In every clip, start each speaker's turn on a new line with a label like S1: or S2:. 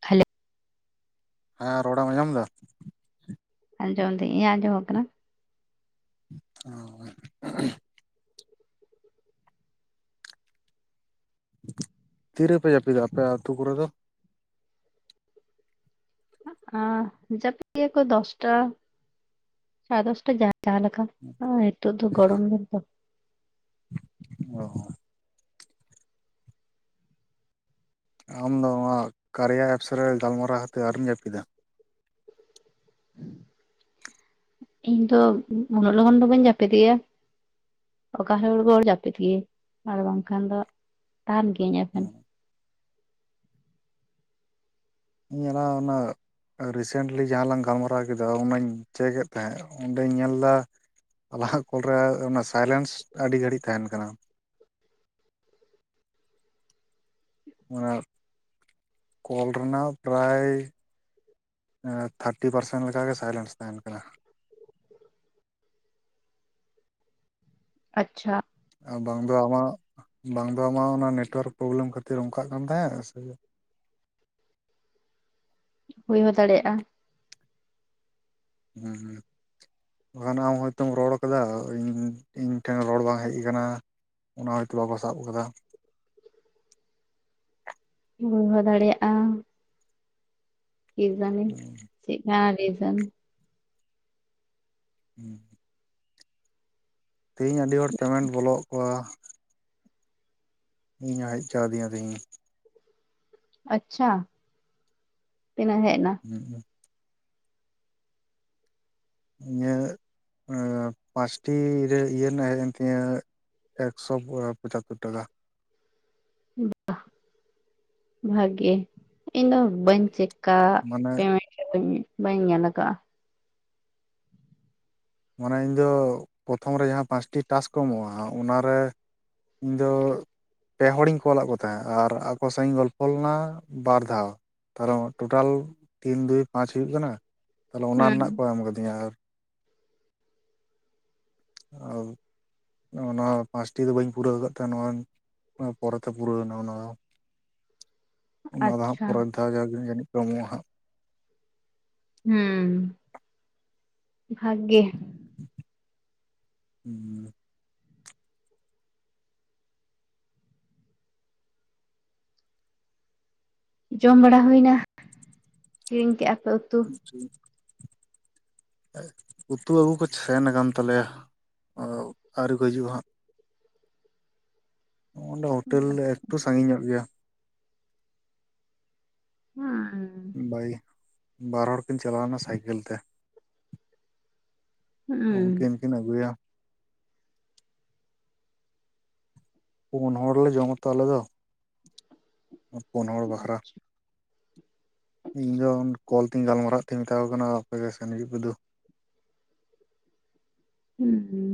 S1: ᱛᱟᱦᱚᱞᱮ
S2: ᱦᱮᱸ ᱨᱚᱲ ᱮᱢ ᱟᱸᱡᱚᱢᱫᱟ
S1: ᱟᱡᱚᱢ ᱮᱫᱟᱹᱧ ᱤᱧᱟᱜ ᱟᱡᱚᱢᱚᱜ ᱠᱟᱱᱟ
S2: ᱚ ᱛᱤᱨᱮᱯᱮ ᱡᱟᱹᱯᱤᱫᱟ ᱟᱯᱮ ᱟᱹᱛᱩ ᱠᱚᱨᱮ ᱫᱚ
S1: ᱟ ᱡᱟᱹᱯᱤᱫ ᱜᱮᱭᱟ ᱠᱚ ᱫᱚᱥᱴᱟ ᱥᱟᱲᱮ ᱫᱚᱥᱴᱟ ᱡᱟᱦᱟ ᱡᱟᱦᱟ ᱞᱮᱠᱟ ᱱᱤᱛᱚᱜ ᱫᱚ ᱜᱚᱲᱚᱢ ᱮ ᱛ
S2: ᱚ ᱟᱢᱫᱚ ᱱᱚᱣᱟ ᱠᱟᱨᱭᱟ ᱮᱯᱥ ᱨᱮ ᱜᱟᱞᱢᱟᱨᱟᱣ ᱠᱟᱛᱮᱫ ᱟᱹᱨᱤᱢ ᱡᱟᱹᱯᱤᱫᱟ ᱻ
S1: ᱤᱧ ᱫᱚ ᱩᱱᱟᱹᱜ ᱞᱚᱜᱚᱱ ᱫᱚ ᱵᱟᱹᱧ ᱡᱟᱹᱯᱤᱫ ᱜᱮᱭᱟ ᱚᱠᱟ ᱦᱩᱞᱚᱜ ᱫᱚᱧ ᱡᱟᱹᱯᱤᱫ ᱜᱮ ᱟᱨ ᱵᱟᱝᱠᱷᱟᱱ ᱫᱚ ᱛᱟᱦᱮᱱ ᱜᱤᱭᱟᱹᱧ ᱮᱵᱷᱮᱱ
S2: ᱤᱧᱞ ᱚᱱᱟ ᱨᱤᱥᱮᱱᱴᱞᱤ ᱡᱟᱦᱟᱸ ᱞᱟᱝ ᱜᱟᱞᱢᱟᱨᱟᱣ ᱠᱮᱫᱟ ᱚᱱᱟᱧ ᱪᱮᱠᱮᱫ ᱛᱟᱦᱮᱸᱜ ᱚᱸᱰᱮᱧ ᱧᱮᱞᱫᱟ ᱞᱟᱦᱟᱜ ᱠᱚᱞᱨᱮ ᱚᱱᱟ ᱥᱟᱭᱞᱮᱱᱥ ᱟᱹᱰᱤ ᱜᱷᱟᱹᱲᱤᱡ ᱛᱟᱦᱮᱱ ᱠᱟᱱᱟ ᱻ ᱚᱱᱟ ᱠᱚᱞ ᱨᱮᱱᱟᱜ ᱯᱨᱟᱭ ᱛᱷᱟᱨᱴᱤ ᱯᱟᱨᱥᱮᱱᱴ ᱞᱮᱠᱟᱜᱮ ᱥᱟᱭᱞᱮᱱᱥ ᱛᱟᱦᱮᱱ ᱠᱟᱱᱟ
S1: ᱟᱪᱪᱷᱟ
S2: ᱵᱟᱝ ᱫᱚ ᱟᱢᱟᱜ ᱵᱟᱝ ᱫᱚ ᱟᱢᱟᱜ ᱚᱱᱟ ᱱᱮᱴᱳᱣᱟᱨᱠ ᱯᱨᱚᱵᱞᱮᱢ ᱠᱷᱟᱹᱛᱤᱨ ᱚᱱᱠᱟᱜ ᱠᱟᱱ ᱛᱟᱦᱮᱫ ᱥᱮ ᱻ
S1: ᱦᱩᱭ ᱦᱚᱸ ᱫᱟᱲᱮᱭᱟᱜᱼᱟ
S2: ᱦᱮᱸ ᱦᱩᱸ ᱵᱟᱠᱷᱟᱱ ᱟᱢ ᱦᱚᱭᱛᱚᱢ ᱨᱚᱲ ᱠᱟᱫᱟ ᱤᱧ ᱤᱧ ᱴᱷᱮᱱ ᱨᱚᱲ ᱵᱟᱝ ᱦᱮᱡ ᱟᱠᱟᱱᱟ ᱚᱱᱟ ᱦᱚᱭᱛᱳ ᱵᱟᱠᱚ ᱥᱟᱵ ᱠᱟᱫᱟ
S1: ᱦᱩᱭ ᱦᱚᱸ ᱫᱟᱲᱮᱭᱟᱜᱼᱟ ᱪᱮᱫ ᱮᱢ ᱞᱟᱹᱭ ᱮᱫᱟ
S2: ᱦᱮᱸ ᱛᱮᱦᱤᱧ ᱟᱹᱰᱤ ᱦᱚᱲ ᱯᱮᱢᱮᱱᱴ ᱵᱚᱞᱚ ᱠᱚᱣᱟ ᱤᱧ ᱦᱚᱸ ᱦᱮᱡᱪᱟᱣᱫᱤᱧᱟ ᱛᱤᱦᱤᱧ ᱜᱮ
S1: ᱟᱪᱪᱷᱟ ᱛᱤᱱᱟᱹ ᱦᱮᱡ ᱮᱱᱟ
S2: ᱤᱧᱟᱹᱜ ᱯᱟᱸᱪᱴᱤ ᱤᱭᱟᱹ ᱨᱮᱱᱟᱜ ᱦᱮᱡ ᱮᱱ ᱛᱤᱧᱟᱹ ᱮᱠᱥᱚ ᱯᱚᱪᱟᱛᱛᱳᱚᱨ ᱴᱟᱠᱟ
S1: ᱵᱟ ᱵᱷᱟᱜᱮ ᱤᱱᱟ ᱵᱟᱹᱧ ᱪᱮᱠ ᱠᱟᱜ
S2: ᱢᱟᱱᱮ
S1: ᱯᱮᱢᱮᱴ ᱵᱟᱹᱧ ᱧᱮᱞ ᱟᱠᱟᱫᱟ
S2: ᱚᱱᱮ ᱤᱧᱫᱚ ᱯᱨᱚᱛᱷᱚᱢ ᱨᱮ ᱡᱟᱦᱟᱸ ᱯᱟᱸᱪᱴᱤ ᱴᱟᱥ ᱠᱚ ᱮᱢᱚᱜᱼᱟ ᱚᱱᱟᱨᱮ ᱤᱧ ᱫᱚ ᱯᱮ ᱦᱚᱲᱤᱧ ᱠᱚᱞ ᱟᱜ ᱠᱚ ᱛᱟᱦᱮᱸᱫ ᱟᱨ ᱟᱠᱚ ᱥᱟᱶ ᱤᱧ ᱜᱚᱞᱯᱷᱚ ᱞᱮᱱᱟ ᱵᱟᱨ ᱫᱷᱟᱣ ᱛᱟᱦᱚᱞᱮ ᱴᱳᱴᱟᱞ ᱛᱤᱱ ᱫᱩᱭ ᱯᱟᱸᱪ ᱦᱩᱭᱩᱜ ᱠᱟᱱᱟ ᱛᱟᱦᱞᱮ ᱚᱱᱟ
S1: ᱦᱩᱸ
S2: ᱨᱮᱱᱟᱜ ᱠᱚ ᱮᱢ ᱟᱠᱟᱫᱤᱧᱟ ᱟᱨ ᱟᱨ ᱱᱚᱜ-ᱚ ᱱᱚᱣᱟ ᱯᱟᱸᱪᱴᱤ ᱫᱚ ᱵᱟᱹᱧ ᱯᱩᱨᱟᱹᱣ ᱟᱠᱟᱫ ᱛᱟᱦᱮ ᱱᱚᱣᱟ ᱯᱚᱨᱮᱛᱮ ᱯᱩᱨᱟᱹᱣᱱᱟ ᱚᱱᱟ ᱫᱚ ᱚᱱᱟ ᱫᱚ ᱦᱟᱸᱜ
S1: ᱟᱪᱪᱷᱟ
S2: ᱯᱚᱨᱮᱨ ᱫᱷᱟᱣ ᱜᱮ ᱡᱟᱹᱱᱤᱡ ᱠᱚ ᱮᱢᱚᱜᱼᱟ ᱦᱟᱸᱜ
S1: ᱦᱩᱸ ᱵᱷᱟᱜᱮ
S2: ᱦᱩᱸ
S1: ᱡᱚᱢ ᱵᱟᱲᱟ ᱦᱩᱭᱱᱟ ᱠᱤᱨᱤᱧ ᱠᱮᱫᱼᱟ
S2: ᱟᱪᱪᱷᱟ ᱩᱛᱩ ᱟᱹᱜᱩ ᱠᱚ ᱥᱮᱱ ᱟᱠᱟᱱ ᱛᱟᱞᱮᱭᱟ ᱟᱹᱣᱨᱤ ᱠᱚ ᱦᱤᱡᱩᱜᱼᱟ ᱦᱟᱸᱜ ᱱᱚᱜ ᱚᱸᱰᱮ ᱦᱳᱴᱮᱞ ᱮᱛᱚ ᱥᱟᱺᱜᱤᱧ ᱧᱚᱜ ᱜᱮᱭᱟ
S1: ᱦᱩᱸ
S2: ᱵᱟᱭ ᱵᱟᱨ ᱦᱚᱲ ᱠᱤᱱ ᱪᱟᱞᱟᱣᱱᱟ ᱥᱟᱭᱠᱮᱞ ᱛᱮ
S1: ᱦᱩᱸ
S2: ᱩᱱᱠᱤᱱ ᱠᱤᱱ ᱟᱹᱜᱩᱭᱟ ᱯᱩᱱ ᱦᱚᱲᱞᱮ ᱡᱚᱢᱟᱛᱚ ᱟᱞᱮ ᱫᱚ ᱯᱩᱱ ᱦᱚᱲ ᱵᱟᱠᱷᱨᱟ
S1: ᱟᱪᱪᱷᱟ
S2: [inaudible] ᱤᱧᱫᱚ ᱠᱚᱞ ᱛᱤᱧ ᱜᱟᱞᱢᱟᱨᱟᱣ ᱛᱤᱧ ᱢᱮᱛᱟ ᱠᱚ ᱠᱟᱱᱟ ᱟᱯᱮᱜᱮ ᱥᱮᱱ ᱦᱤᱡᱩᱜ ᱯᱮ ᱫᱩ [inaudible]
S1: ᱦᱩᱸ ᱦᱩᱸ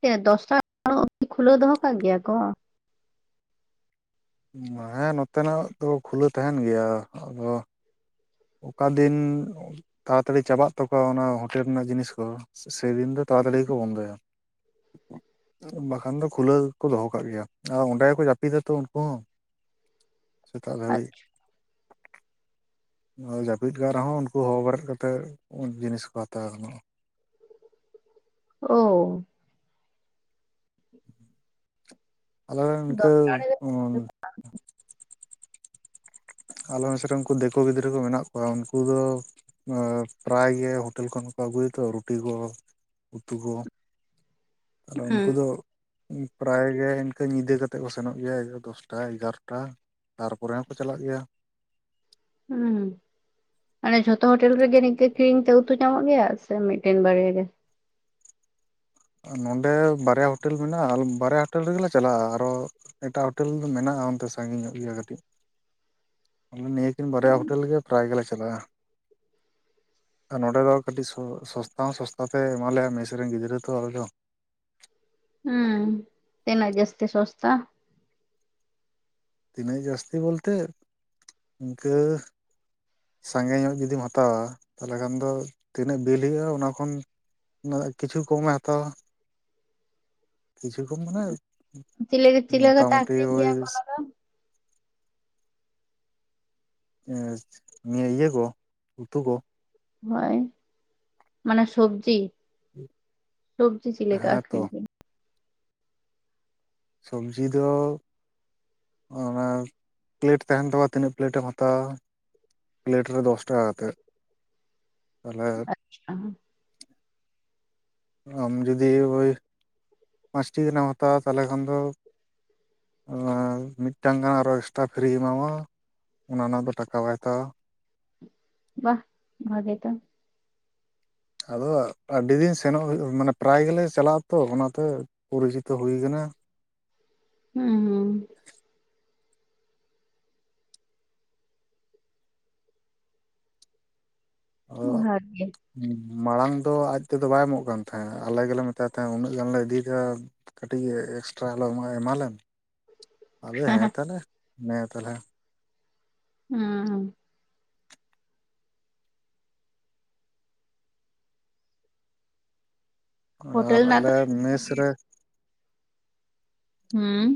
S1: ᱥᱮ ᱫᱚᱥᱴᱟ [unintelligible] ᱠᱷᱩᱞᱟᱹᱣ ᱫᱚᱦᱚ ᱠᱟᱜ ᱜᱮᱭᱟ ᱠᱚ
S2: ᱦᱮᱸ ᱱᱚᱛᱮᱱᱟᱜ ᱫᱚ ᱠᱷᱩᱞᱟᱹᱣ ᱛᱟᱦᱮᱱ ᱜᱮᱭᱟ ᱟᱫᱚ ᱚᱠᱟ ᱫᱤᱱ ᱛᱟᱲᱟᱛᱟᱲᱤ ᱪᱟᱵᱟᱜ ᱛᱟᱠᱚᱣᱟ ᱚᱱᱟ ᱦᱳᱴᱮᱞ ᱨᱮᱱᱟᱜ ᱡᱤᱱᱤᱥ ᱠᱚ ᱥᱮᱫᱤᱱ ᱫᱚ ᱛᱚ ᱛᱟᱲᱟᱛᱟᱲᱤ ᱜᱮ ᱠᱚ ᱵᱚᱱᱫᱚᱭᱟ ᱟᱨ ᱵᱟᱠᱷᱟᱱ ᱫᱚ ᱠᱷᱩᱞᱟᱹᱣ ᱠᱚ ᱫᱚᱦᱚ ᱠᱟᱜ ᱜᱮᱭᱟ ᱟᱨ ᱚᱸᱰᱮ ᱜᱮᱠᱚ ᱡᱟᱹᱯᱤᱫᱟ ᱛᱚ ᱩᱱᱠᱩ ᱦᱚᱸ ᱥᱮᱛᱟᱜ ᱫᱷᱟᱵᱤᱡ ᱡᱟᱹᱯᱤᱫ ᱠᱟᱜ ᱨᱮᱦᱚᱸ ᱩᱱᱠᱩ ᱦᱚᱦᱚ ᱵᱮᱨᱮᱫ ᱠᱟᱛᱮᱫ ᱡᱤᱱᱤᱥ ᱠᱚ ᱦᱟᱛᱟᱣ ᱜᱟᱱᱚᱜᱼᱟ
S1: ᱳ [inaudible]
S2: ᱟᱞᱮ ᱨᱮᱱ ᱤᱱᱠᱟᱹ
S1: ᱫᱚᱥᱴᱟ ᱨᱮᱜᱮ
S2: ᱩᱸ ᱟᱞᱮ ᱢᱮᱥ ᱨᱮ ᱩᱱᱠᱩ ᱫᱤᱠᱩ ᱜᱤᱫᱽᱨᱟᱹ ᱠᱚ ᱢᱮᱱᱟᱜ ᱠᱚᱣᱟ ᱩᱱᱠᱩ ᱫᱚ ᱩᱮᱸ ᱯᱨᱟᱭ ᱜᱮ ᱦᱳᱴᱮᱞ ᱠᱷᱚᱱ ᱠᱚ ᱟᱹᱜᱩᱭᱟᱠᱚ ᱨᱩᱴᱤ ᱠᱚ ᱩᱛᱩ ᱠᱚ ᱛᱟᱦᱞᱮ
S1: ᱦᱩᱸ
S2: ᱩᱱᱠᱩ ᱫᱚ ᱯᱨᱟᱭ ᱜᱮ ᱤᱱᱠᱟᱹ ᱧᱤᱫᱟᱹ ᱠᱟᱛᱮᱮᱫ ᱠᱚ ᱥᱮᱱᱚᱜ ᱜᱮᱭᱟ ᱫᱚᱥᱴᱟ ᱮᱜᱟᱨᱚᱴᱟ ᱛᱟᱨᱯᱚᱨᱮ ᱦᱚᱸᱠᱚ ᱪᱟᱞᱟᱜ ᱜᱮᱭᱟ
S1: ᱦᱩᱸ ᱢᱟᱱᱮ ᱡᱷᱚᱛᱚ ᱦᱳᱴᱮᱞ ᱨᱮᱜᱮ ᱱᱤᱱᱠᱟᱹ ᱠᱤᱨᱤᱧ ᱛᱮ ᱩᱛᱩ ᱧᱟᱢᱚᱜ ᱜᱮᱭᱟ ᱥᱮ ᱢᱤᱫᱴᱮᱱ ᱵᱟᱨᱭᱟ ᱜᱮ
S2: [inaudible] ᱱᱚᱸᱰᱮ ᱵᱟᱨᱭᱟ ᱦᱳᱴᱮᱞ ᱢᱮᱱᱟᱜᱼᱟ ᱵᱟᱨᱭᱟ ᱦᱳᱴᱮᱞ ᱨᱮᱜᱮᱞᱮ ᱪᱟᱞᱟᱜᱼᱟ ᱟᱨᱚ ᱮᱴᱟᱜ ᱦᱳᱴᱮᱞ ᱢᱮᱱᱟᱜᱼᱟ ᱚᱱᱛᱮ ᱥᱟᱺᱜᱤᱧ ᱧᱚᱜ ᱜᱮᱭᱟ ᱠᱟᱹᱴᱤᱡ ᱟᱞᱮ ᱱᱤᱭᱟᱹᱠᱤᱱ ᱵᱟᱨᱭᱟ ᱦᱳᱴᱮᱞ ᱜᱮ ᱯᱨᱟᱭ ᱜᱮᱞᱮ ᱪᱟᱞᱟᱜᱼᱟ ᱟᱨ ᱱᱚᱸᱰᱮ ᱫᱚ ᱠᱟᱹᱴᱤᱡ ᱥᱚ ᱥᱚᱥᱛᱟ ᱦᱚᱸ ᱥᱚᱥᱛᱟ ᱛᱮ ᱮᱢᱟᱞᱮᱭᱟᱭ ᱢᱮᱥ ᱨᱮᱱ ᱜᱤᱫᱽᱨᱟᱹ ᱛᱚ ᱦᱚᱭᱞᱚ
S1: ᱛᱤᱱᱟ. ᱜ ᱡᱟᱹᱥᱛᱤ ᱥᱚᱥᱛᱟ
S2: ᱛᱤᱱᱟᱹᱜ ᱡᱟᱹᱥᱛᱤ ᱵᱚᱞᱛᱮ ᱤᱱᱠᱟᱹ ᱥᱟᱸᱜᱮ ᱧᱚᱜ ᱡᱩᱫᱤᱢ ᱦᱟᱛᱟᱣᱟ ᱛᱟᱦᱚᱞᱮ ᱠᱷᱟᱱ ᱫᱚ ᱛᱤᱱᱟᱹᱜ ᱵᱤᱞ ᱦᱩᱭᱩᱜᱼᱟ ᱚᱱᱟ ᱠᱷᱚᱱ ᱠᱤᱪᱷᱩ ᱠᱚᱢᱮ ᱦᱟᱛᱟᱣ- ᱟ ᱠᱤᱪᱷᱩ ᱠᱚᱢ ᱢᱟᱱᱮ
S1: ᱪᱤᱞᱤ ᱪᱤᱞᱤ ᱠᱟᱛᱮ
S2: ᱢᱳᱚᱴᱟᱢᱩᱴᱤ
S1: ᱟᱠᱷᱨᱤᱧ
S2: ᱳᱭ
S1: ᱜᱮᱭᱟ ᱠᱚ ᱚᱱᱟ ᱫᱚ
S2: ᱮᱸ ᱱᱤᱭᱟᱹ ᱤᱭᱟᱹ ᱠᱚ ᱩᱛᱩ ᱠᱚ
S1: ᱦᱳᱭ ᱢᱟᱱᱮ ᱥᱚᱵᱡᱤ ᱥᱚᱵᱡᱤ ᱪᱮᱫᱞᱮᱠᱟ ᱟ.
S2: ᱦᱮᱸ ᱛᱚ
S1: ᱠᱷᱨᱤᱧ ᱵᱤᱱ
S2: ᱥᱚᱵᱡᱤ ᱫᱚ ᱚᱱᱟ ᱯᱞᱮᱴ ᱛᱟᱦᱮᱱ ᱛᱟᱢᱟ ᱛᱤᱱᱟᱹᱜ ᱯᱞᱮᱴ ᱮᱢ ᱦᱟᱛᱟᱣᱟ ᱯᱞᱮᱴ ᱨᱮ ᱫᱚᱥ ᱴᱟᱠᱟ ᱠᱟᱛᱮᱫ ᱛᱟᱦᱚᱞᱮ
S1: ᱟᱪᱪᱷᱟ
S2: ᱟᱢ ᱡᱩᱫᱤ ᱳᱭ ᱯᱟᱸᱪᱴᱤ ᱜᱟᱱᱮᱢ ᱦᱟᱛᱟᱣᱟ ᱛᱟᱦᱚᱞᱮ ᱠᱷᱟᱱ ᱫᱚ ᱢᱤᱫ ᱴᱟᱱ ᱜᱟᱱ ᱟᱨᱚ ᱮᱠᱥᱴᱨᱟ ᱯᱷᱨᱤ ᱮᱢᱟᱢᱟ ᱚᱱᱟ ᱨᱮᱱᱟᱜ ᱫᱚ ᱴᱟᱠᱟ ᱵᱟᱭ ᱦᱟᱛᱟᱣᱟ
S1: ᱵᱟᱦ ᱵᱷᱟᱜᱮ ᱛᱚ
S2: ᱟᱫᱚ ᱟᱹᱰᱤ ᱫᱤᱱ ᱥᱮᱱᱚᱜ ᱦᱩᱭᱩᱜ ᱢᱟᱱᱮ ᱯᱨᱟᱭ ᱜᱮᱞᱮ ᱪᱟᱞᱟᱜ-ᱟ ᱛᱚ ᱚᱱᱟᱛᱮ ᱯᱚᱨᱤᱪᱤᱛᱚ ᱦᱩᱭ ᱟᱠᱟᱱᱟ [unintelligible]
S1: ᱦᱮᱸ ᱦᱸ
S2: ᱟᱫᱚ
S1: ᱵᱷᱟᱜᱮ
S2: ᱦᱮᱸ ᱢᱟᱲᱟᱝ ᱫᱚ ᱟᱡ ᱛᱮᱫᱚ ᱵᱟᱭ ᱮᱢᱚᱜ ᱠᱟᱱ ᱛᱟᱦᱮᱸᱫ ᱟᱞᱮ ᱜᱮ ᱞᱮ ᱢᱮᱛᱟᱭ ᱛᱟᱦᱮᱸᱫ ᱩᱱᱟᱹᱜ ᱜᱟᱱ ᱞᱮ ᱤᱫᱤ ᱭᱮᱫᱟ ᱠᱟᱹᱴᱤᱡ ᱮᱠᱥᱴᱨᱟ ᱟᱞᱮ ᱮᱢᱟᱞᱮᱢ ᱟᱫᱚ ᱦᱮᱸ ᱛᱟᱦᱚᱞᱮ ᱱᱮ ᱛᱟᱦᱚᱞᱮ
S1: ᱦᱩᱸ ᱦᱳᱴᱮᱞ
S2: ᱟᱨ
S1: ᱨᱮᱱᱟᱜ ᱫᱚ
S2: ᱟᱞᱮ ᱢᱮᱥ ᱨᱮ
S1: ᱦᱮᱸ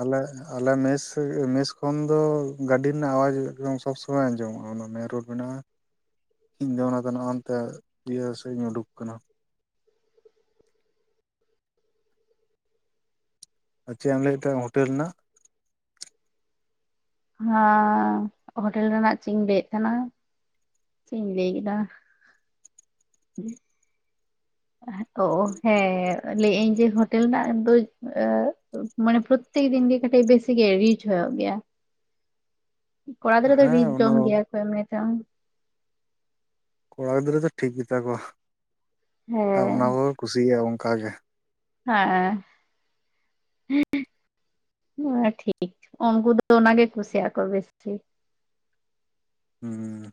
S2: ᱟᱞᱮ ᱟᱞᱮ ᱢᱮᱥ ᱢᱮᱥ ᱠᱷᱚᱱ ᱫᱚ ᱜᱟᱹᱰᱤ ᱨᱮᱱᱟᱜ ᱟᱣᱟᱡᱽ ᱮᱠᱫᱚᱢ ᱥᱚᱵᱽ ᱥᱚᱢᱚᱭ ᱟᱸᱡᱚᱢᱚᱜᱼᱟ ᱚᱱᱟ ᱮ ᱨᱳᱰ ᱢᱮᱱᱟᱜᱼᱟ ᱤᱧ ᱫᱚ ᱚᱱᱟ ᱛᱮ ᱱᱟᱜ ᱦᱟᱱᱛᱮ ᱤᱭᱟᱹ ᱥᱮᱧ ᱩᱰᱩᱠ ᱟᱠᱟᱱᱟ ᱟᱨ ᱪᱮᱫ ᱮᱢ ᱞᱟᱹᱭ ᱮᱫ ᱦᱳᱴᱮᱞ ᱨᱮᱱᱟᱜ
S1: ᱦᱮᱸ ᱦᱳᱴᱮᱞ ᱨᱮᱱᱟᱜ ᱪᱮᱫ ᱤᱧ ᱞᱟᱹᱭᱮᱫ ᱛᱟᱦᱮᱱᱟ ᱪᱮᱫ ᱤᱧ ᱞᱟᱹᱭ ᱠᱮᱫᱟ ᱚ ᱦᱮᱸ ᱞᱟᱹᱭ ᱟᱹᱧ ᱡᱮ ᱦᱳᱴᱮᱞ ᱨᱮᱱᱟᱜ ᱫᱚ ᱢᱟᱱᱮ ᱯᱨᱚᱛᱛᱮᱠ ᱫᱤᱱᱜᱮ ᱠᱟᱹᱴᱤᱡ ᱵᱮᱥᱤ ᱜᱮ ᱨᱤᱪ ᱦᱩᱭᱩᱜ ᱜᱮᱭᱟ ᱠᱚᱲᱟ ᱤᱫᱽᱨᱟᱹ ᱫᱚ
S2: ᱦᱮᱸ
S1: ᱨᱤᱪ
S2: ᱚᱱᱟ
S1: ᱡᱚᱢ
S2: ᱫᱚ
S1: ᱜᱮᱭᱟ ᱠᱚ ᱮᱢᱱᱤ ᱛᱮᱦᱚ
S2: ᱠᱚᱲᱟ ᱜᱤᱫᱽᱨᱟᱹ ᱫᱚ ᱴᱷᱤᱠ ᱜᱮᱛᱟ ᱠᱚᱣᱟ ᱟᱨ ᱚᱱᱟ
S1: ᱦᱮᱸ
S2: ᱠᱚᱠᱚ ᱠᱩᱥᱤᱭᱟᱜᱼᱟ ᱚᱱᱠᱟᱜᱮ
S1: ᱦᱮᱸ ᱦᱮᱸ ᱴᱷᱤᱠ ᱩᱱᱠᱩ ᱫᱚ ᱚᱱᱟᱜᱮ ᱠᱩᱥᱤ ᱟᱠ ᱠᱚ ᱵᱮᱥᱤ
S2: ᱦᱮᱸ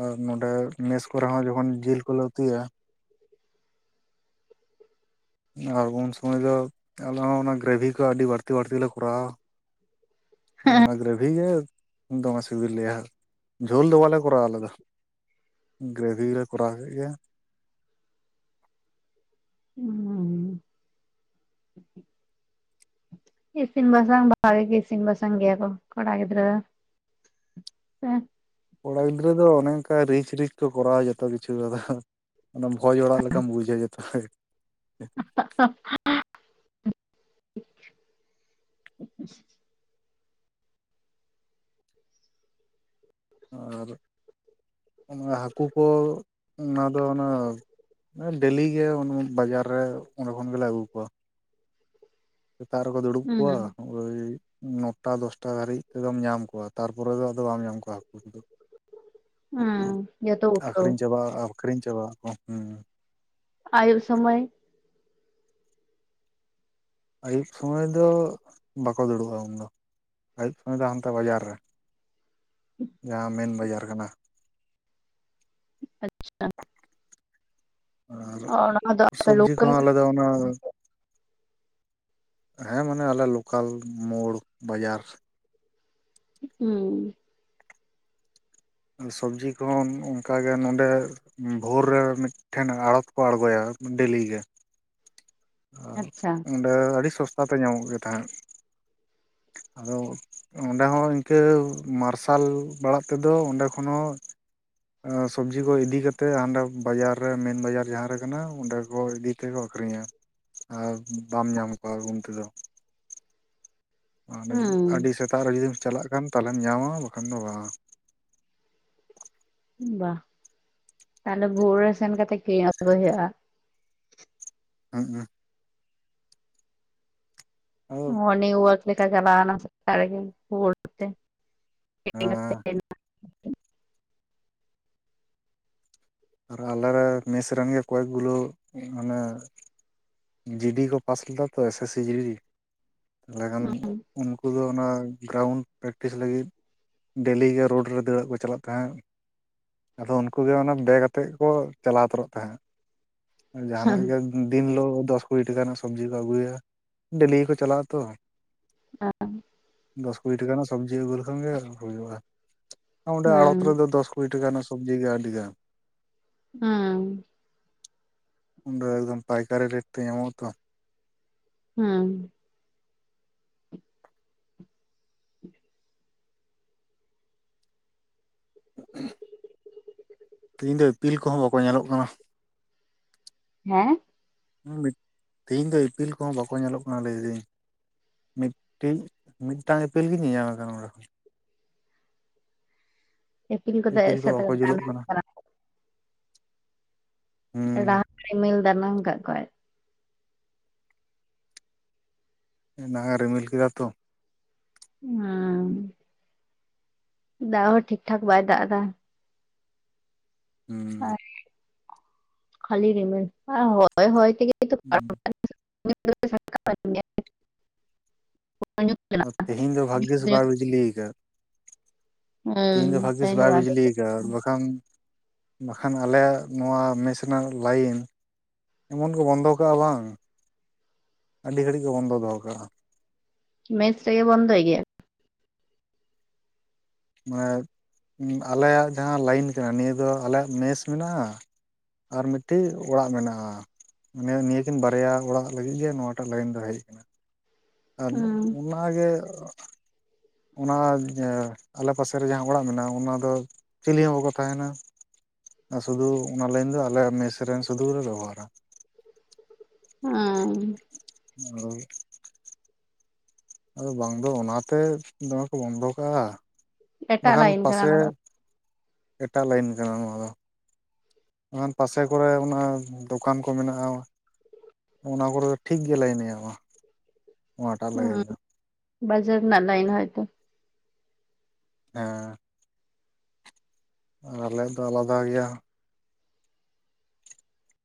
S2: ᱟᱨ ᱱᱚᱸᱰᱮ ᱢᱮᱥ ᱠᱚᱨᱮ ᱦᱚᱸ ᱡᱚᱠᱷᱚᱱ ᱡᱤᱞ ᱠᱚᱞᱮ ᱩᱛᱩᱤᱭᱟ ᱟᱨ ᱩᱱ ᱥᱚᱢᱚᱭ ᱫᱚ ᱟᱞᱮ ᱦᱚᱸ ᱚᱱᱟ ᱜᱨᱮᱵᱷᱤ ᱠᱚ ᱟᱹᱰᱤ ᱵᱟᱹᱲᱛᱤ ᱵᱟᱹᱲᱛᱤ ᱞᱮ ᱠᱚᱨᱟᱣᱟ ᱦ ᱚᱱᱟ ᱜᱨᱮᱵᱷᱤ ᱜᱮ ᱫᱚᱢᱮ ᱥᱤᱵᱤ ᱞᱮᱭᱟ ᱡᱷᱳᱞ ᱫᱚ ᱵᱟᱞᱮ ᱠᱚᱨᱟᱣᱟ ᱟᱞᱮ ᱫᱚ ᱜᱨᱮᱵᱷᱷᱤ ᱜᱮ ᱞᱮ ᱠᱚᱨᱟᱣ ᱠᱮᱫ ᱜᱮᱭᱟ
S1: ᱦᱮᱸ ᱤᱥᱤᱱ ᱵᱟᱥᱟᱟᱝ ᱵᱷᱟᱜᱮ ᱜᱮ ᱤᱥᱤᱱ ᱵᱥᱟᱟᱝ ᱜᱮᱭᱟ ᱠᱚ ᱠᱚᱲᱟ ᱜᱤᱫᱽᱨᱟᱹ ᱫᱚ ᱦᱮ
S2: ᱠᱚᱲᱟ ᱜᱤᱫᱽᱨᱟᱹ ᱫᱚ ᱚᱱᱮ ᱚᱱᱠᱟ ᱨᱤᱪ ᱨᱤᱪ ᱠᱚ ᱠᱚᱨᱟᱣᱟ ᱡᱚᱛᱚ ᱠᱤᱪᱷᱩ ᱟᱫᱚ ᱚᱱᱟ ᱵᱷᱚᱡᱽ ᱚᱲᱟᱜ ᱞᱮᱠᱟᱢ ᱵᱩᱡᱟ ᱡᱚᱛᱚ
S1: [unintelligible]
S2: ᱟᱨ ᱚᱱᱟ ᱦᱟᱹᱠᱩ ᱠᱚ ᱚᱱᱟ ᱫᱚ ᱚᱱᱟ ᱰᱮᱞᱤ ᱜᱮ ᱵᱟᱡᱟᱨ ᱨᱮ ᱚᱸᱰᱮ ᱠᱷᱚᱱ ᱜᱮᱞᱮ ᱟᱹᱜᱩ ᱠᱚᱣᱟ ᱥᱮᱛᱟᱜ ᱨᱮᱠᱚ ᱫᱩᱲᱩᱵ ᱠᱚᱣᱟ
S1: ᱦᱩᱸ
S2: ᱳᱭ ᱱᱚᱴᱟ ᱫᱚᱥᱴᱟ ᱫᱷᱟᱹᱨᱤᱡ ᱛᱮᱫᱚᱢ ᱧᱟᱢ ᱠᱚᱣᱟ ᱛᱟᱨᱯᱚᱨᱮ ᱫᱚ ᱟᱫᱚ ᱵᱟᱢ ᱧᱟᱢ ᱠᱚᱣᱟ ᱦᱟᱹᱠᱩ ᱠᱚᱫᱚ
S1: ᱦᱩᱸ ᱡᱚᱛᱚ ᱩᱴᱷᱟᱹᱣ
S2: ᱟᱠᱷᱨᱤᱧ ᱪᱟᱵᱟᱜ ᱟᱠᱷᱨᱤᱧ ᱪᱟᱵᱟ ᱠᱚ ᱦᱸ
S1: ᱟᱭᱩᱵ ᱥᱚᱢᱚᱭ
S2: ᱟᱹᱭᱩᱵ ᱥᱚᱢᱚᱭ ᱫᱚ ᱵᱟᱠᱚ ᱫᱩᱲᱩᱵᱼᱟ ᱩᱱᱫᱚ ᱟᱹᱭᱩᱵ ᱥᱚᱢᱚᱭ ᱫᱚ ᱦᱟᱱᱛᱮ ᱵᱟᱡᱟᱨ ᱨᱮ ᱡᱟᱦᱟᱸ ᱢᱮᱱ ᱵᱟᱡᱟᱨ ᱠᱟᱱᱟ
S1: ᱟᱪᱪᱷᱟ
S2: ᱟᱨ
S1: ᱚᱱᱟ ᱫᱚ ᱟᱯᱮ
S2: ᱥᱚᱵᱡᱤ
S1: ᱞᱳᱠᱟᱞ
S2: ᱠᱚᱦᱚᱸ ᱟᱞᱮ ᱫᱚ ᱚᱱᱟ ᱦᱮᱸ ᱢᱟᱱᱮ ᱟᱞᱮ ᱞᱳᱠᱟᱞ ᱢᱳᱲ ᱵᱟᱡᱟᱨ
S1: ᱦᱮᱸ
S2: ᱥᱚᱵᱡᱤ ᱠᱷᱚᱱ ᱚᱱᱠᱟ ᱜᱮ ᱱᱚᱰᱮ ᱵᱷᱳᱨ ᱨᱮ ᱢᱤᱫᱴᱮᱱ ᱟᱲᱚᱛ ᱠᱚ ᱟᱬᱜᱚᱭᱟ ᱮᱠᱷᱚᱱ ᱰᱮᱞᱤ ᱜᱮ
S1: ᱟᱪᱪᱷᱟ
S2: ᱚᱸᱰᱮ ᱟᱹᱰᱤ ᱥᱚᱥᱛᱟ ᱛᱮ ᱧᱟᱢᱚᱜ ᱜᱮ ᱛᱟᱦᱮᱸᱫ ᱟᱫᱚ ᱚᱸᱰᱮ ᱦᱚᱸ ᱤᱱᱠᱟᱹ ᱢᱟᱨᱥᱟᱞ ᱵᱟᱲᱟᱷ ᱛᱮᱫᱚ ᱚᱸᱰᱮ ᱠᱷᱚᱱ ᱦᱚᱸ ᱮᱸ, ᱥᱚᱵᱡᱤ ᱠᱚ ᱤᱫᱤ ᱠᱟᱛᱮᱜ ᱦᱟᱸᱰᱮ ᱵᱟᱡᱟᱨ ᱨᱮ ᱢᱮᱱ ᱵᱟᱡᱟᱨ ᱡᱟᱦᱟᱸᱨᱮ ᱠᱟᱱᱟ ᱚᱸᱰᱮ ᱠᱚ ᱤᱫᱤ ᱛᱮᱜᱠᱚ ᱟᱹᱷᱠᱷᱨᱤᱧᱟ ᱟᱨ ᱵᱟᱢ ᱧᱟᱢ ᱠᱚᱣᱟ ᱩᱱ ᱛᱮᱫᱚ ᱟᱨ
S1: ᱦᱩᱸ
S2: ᱟᱹᱰᱤ ᱥᱮᱛᱟᱜ ᱨᱮ ᱡᱩᱫᱤᱢ ᱪᱟᱞᱟᱜ ᱠᱷᱟᱱ ᱛᱟᱞᱦᱮᱢ ᱧᱟᱢᱟ ᱵᱟᱠᱷᱟᱱ ᱫᱚ ᱵᱟᱝ
S1: ᱵᱟ ᱛᱟᱞᱚᱦᱮ ᱵᱷᱳᱨ ᱨᱮ ᱥᱮᱱ ᱠᱟᱛᱮᱫ ᱠᱤᱨᱤᱧ ᱟᱹᱜᱩᱭ ᱦᱩᱭᱩᱜᱼᱟ
S2: ᱦᱮᱸᱜ-ᱮ ᱟᱫᱚ
S1: ᱦᱮᱸ ᱱᱤᱭᱩ ᱚᱣᱟᱨᱠ ᱞᱮᱠᱟ ᱪᱟᱞᱟᱣᱮᱱᱟ ᱥᱮᱛᱟᱜ ᱨᱮᱜᱮᱡ ᱨᱩᱣᱟᱹᱲ ᱠᱟᱛᱮᱫ
S2: ᱦᱮᱸ ᱟᱨ ᱟᱞᱮ ᱨᱮᱱ ᱢᱮᱥ ᱨᱮᱱ ᱜᱮ ᱠᱚᱭᱮᱠ ᱜᱩᱞᱳ ᱢᱟᱱᱮ ᱡᱤᱰᱤ ᱠᱚ ᱯᱟᱥ ᱞᱮᱫᱟ ᱛᱚ ᱮᱥ ᱮᱥ ᱥᱤ ᱡᱤᱰᱤ ᱛᱟᱞᱚᱦᱮ ᱠᱷᱟᱱ ᱩᱱᱠᱩ ᱫᱚ ᱚᱱᱟ ᱜᱨᱟᱣᱩᱱᱰ ᱯᱨᱮᱠᱴᱤᱥ ᱞᱟᱹᱜᱤᱫ ᱰᱮᱞᱤ ᱜᱮ ᱨᱳᱰ ᱨᱮ ᱫᱟᱹᱲᱟᱜ ᱠᱚ ᱪᱟᱞᱟᱜ ᱛᱟᱦᱮᱸᱫ ᱟᱫᱚ ᱩᱱᱠᱩ ᱜᱮ ᱚᱱᱟ ᱵᱮᱜᱽ ᱛᱮᱫ ᱠᱚ ᱪᱟᱞᱟᱣ ᱛᱟᱹᱨᱚᱜ ᱛᱟᱦᱮᱸᱫ ᱡᱟᱦᱟᱱᱟᱜ
S1: ᱱᱟᱢ
S2: ᱜᱮ ᱫᱤᱱ ᱦᱤᱞᱳᱜ ᱫᱚᱥ ᱠᱩᱲᱤ ᱴᱟᱠᱟ ᱨᱮᱱᱟᱜ ᱥᱚᱵᱽᱡᱤ ᱠᱚ ᱟᱹᱜᱩᱭᱟ ᱰᱮᱞᱤ ᱜᱮᱠᱚ ᱪᱟᱞᱟᱜᱼᱟ ᱛᱚ ᱫᱚᱥ ᱠᱩᱲᱤ ᱴᱟᱠᱟ ᱨᱮᱱᱟᱜ ᱥᱚᱵᱡᱤ ᱟᱹᱜᱩ ᱞᱮᱠᱷᱟᱱ ᱜᱮ ᱦᱩᱭᱩᱜᱼᱟ ᱚᱸᱰᱮ
S1: ᱦᱩᱸ
S2: ᱟᱲᱚᱛ
S1: ᱦᱩᱸ
S2: ᱨᱮᱫᱚ ᱫᱚᱥ ᱠᱩᱲᱤ ᱴᱟᱠᱟ ᱨᱮᱱᱟᱜ ᱥᱚᱵᱽᱡᱤ ᱜᱮ ᱟᱹᱰᱤᱜᱟᱱ
S1: ᱦᱩᱸ
S2: ᱚᱸᱰᱮ ᱮᱠᱫᱚᱢ ᱯᱟᱭᱠᱟᱨᱤ ᱨᱮᱴ ᱛᱮ ᱧᱟᱢᱚᱜᱼᱟᱛᱚ
S1: ᱦᱩᱸ
S2: ᱛᱮᱦᱮᱧ ᱫᱚ ᱤᱯᱤᱞ ᱠᱚᱦᱚᱸ ᱵᱟᱠᱚ ᱧᱮᱞᱚᱜ ᱠᱟᱱᱟ
S1: ᱦᱮᱸ
S2: ᱢᱤᱛ, ᱛᱮᱦᱤᱧ ᱫᱚ ᱤᱯᱤᱞ ᱠᱚᱦᱚᱸ ᱵᱟᱠᱚ ᱧᱮᱞᱚᱜ ᱠᱟᱱᱟ ᱞᱟᱹᱭ ᱠᱤᱫᱟᱹᱧ ᱢᱤᱫᱴᱤᱡ ᱢᱤᱫᱴᱟᱝ ᱤᱯᱤᱞ ᱜᱤᱧ ᱧᱮᱧᱟᱢᱮ ᱠᱟᱱᱟ ᱱᱚᱰᱮ ᱠᱷᱚᱱ
S1: ᱤᱯᱤᱞ ᱠᱚᱛᱮ
S2: ᱠᱚ
S1: ᱮᱥᱮᱫ
S2: ᱵᱟᱠᱚ
S1: ᱞᱮᱱᱠᱷᱟᱱ
S2: ᱡᱩᱞᱩᱜ
S1: ᱚᱱᱮᱢ
S2: ᱠᱟᱱᱟ
S1: ᱪᱟᱞᱟᱣ ᱩᱛᱟᱹᱨᱚᱜ-ᱟ
S2: ᱦᱩᱸ
S1: ᱨᱟᱦᱞᱟ ᱨᱤᱢᱤᱞ ᱫᱟᱱᱟᱝ ᱠᱟᱜ ᱠᱚᱣᱟᱭ
S2: ᱮᱱᱟᱝᱮ ᱨᱤᱢᱤᱞ ᱠᱮᱫᱟ ᱛᱚ
S1: ᱦᱮᱸ, ᱫᱟᱜ ᱦᱚᱸ ᱴᱷᱤᱠ ᱴᱷᱟᱠ ᱵᱟᱭ ᱫᱟᱜ ᱮᱫᱟ
S2: ᱦᱩᱸ
S1: ᱠᱷᱟᱞᱤ ᱨᱤᱢᱤᱞ ᱦᱚ ᱦᱚᱭ-ᱦᱚᱭ ᱛᱮᱜᱮ ᱛᱚ ᱯᱟᱨᱚᱢᱚᱜ ᱠᱟᱱᱟ ᱞᱟᱹᱭᱟᱹᱧ ᱥᱚᱴᱠᱟᱴ ᱜᱮᱛᱤᱧᱟᱭ
S2: ᱟᱨ ᱛᱮᱦᱮᱧ ᱫᱚ ᱵᱷᱟᱹᱜᱽᱜᱤᱥ ᱵᱟᱭ ᱵᱤᱡᱽᱞᱤᱭᱟᱠᱟᱫ ᱛᱤᱦᱤᱧ ᱫᱚ ᱵᱷᱟᱜᱽᱜᱤᱥ ᱵᱟᱭ ᱵᱤᱡᱽᱞᱤ ᱟᱠᱟᱫ ᱵᱟᱠᱷᱟᱱ ᱵᱟᱠᱷᱟᱱ ᱟᱞᱮᱭᱟᱜ ᱱᱚᱣᱟ ᱢᱮᱥ ᱨᱮᱱᱟᱜ ᱞᱟᱭᱤᱱ ᱮᱢᱚᱱ ᱠᱚ ᱵᱚᱱᱫᱚ ᱠᱟᱜᱼᱟ ᱵᱟᱝ ᱟᱹᱰᱤ ᱜᱷᱟᱹᱲᱤᱡ ᱠᱚ ᱵᱚᱱᱫᱚ ᱫᱚᱦᱚ ᱠᱟᱜᱼᱟ
S1: ᱢᱮᱥ ᱨᱮᱜᱮ ᱵᱚᱱᱫᱚᱭ ᱜᱮᱭᱟ
S2: ᱢᱟᱱᱮ ᱟᱞᱮᱭᱟᱜ ᱡᱟᱦᱟᱸ ᱞᱟᱭᱤᱱ ᱠᱟᱱᱟ ᱱᱤᱭᱟᱹ ᱫᱚ ᱟᱞᱮᱭᱟᱜ ᱢᱮᱥ ᱢᱮᱱᱟᱜᱼᱟ ᱟᱨ ᱢᱤᱫᱴᱤᱡ ᱚᱲᱟᱜ ᱢᱮᱱᱟᱜᱼᱟ ᱢᱟᱱᱮ ᱱᱤᱭᱟᱹᱠᱤᱱ ᱵᱟᱨᱭᱟ ᱚᱲᱟᱜ ᱞᱟᱹᱜᱤᱫ ᱜᱮ ᱱᱚᱣᱟᱴᱟᱜ ᱞᱟᱭᱤᱱ ᱫᱚ ᱦᱮᱡ ᱠᱟᱱᱟ ᱟᱨ
S1: ᱦᱩᱸ
S2: ᱚᱱᱟᱜᱮ ᱚᱱᱟ ᱟᱞᱮ ᱯᱟᱥᱮ ᱨᱮ ᱡᱟᱦᱟᱸ ᱚᱲᱟᱜ ᱢᱮᱱᱟᱜᱼᱟ ᱚᱱᱟ ᱫᱚ ᱪᱤᱞᱤ ᱦᱚᱸ ᱵᱟᱠᱚ ᱛᱟᱦᱮᱱᱟ ᱟᱨ ᱥᱩᱫᱷᱩ ᱚᱱᱟ ᱞᱟᱭᱤᱱ ᱫᱚ ᱟᱞᱮᱭᱟᱜ ᱢᱮᱥ ᱨᱮᱱ ᱥᱩᱫᱩ ᱜᱮᱞᱮ ᱵᱮᱵᱚᱦᱟᱨᱟ
S1: ᱚ
S2: ᱟᱫᱚ ᱟᱫᱚ ᱵᱟᱝ ᱫᱚ ᱚᱱᱟᱛᱮ ᱫᱚᱢᱮ ᱠᱚ ᱵᱚᱱᱫᱚ ᱠᱟᱜᱼᱟ
S1: ᱮᱴᱟᱜ
S2: ᱵᱟᱠᱷᱟᱱ
S1: ᱞᱟᱭᱤᱱ ᱠᱟᱱᱟ
S2: ᱯᱟᱥᱮ
S1: ᱚᱱᱟ ᱫᱚ
S2: ᱮᱴᱟᱜ ᱞᱟᱹᱭᱤᱱ ᱠᱟᱱᱟ ᱱᱚᱣᱟ ᱫᱚ ᱚᱱᱟ ᱯᱟᱥᱮ ᱠᱚᱨᱮ ᱚᱱᱟ ᱫᱚᱠᱟᱱ ᱠᱚ ᱢᱮᱱᱟᱜᱼᱟ ᱚᱱᱟ ᱠᱚᱨᱮ ᱫᱚ ᱴᱷᱤᱠ ᱜᱮ ᱞᱮᱭᱤᱱᱮ ᱮᱢᱟ ᱱᱚᱣᱟ ᱴᱟᱜ ᱞᱟᱭᱤᱱ
S1: ᱦᱩᱸ
S2: ᱫᱚ
S1: ᱵᱟᱡᱟᱨ ᱱᱟᱜ ᱞᱟᱭᱤᱱ ᱦᱚᱭ ᱛᱚ
S2: ᱦᱮᱸ ᱟᱨ ᱟᱞᱮᱭᱟᱜ ᱫᱚ ᱟᱞᱟᱫᱟ ᱜᱮᱭᱟ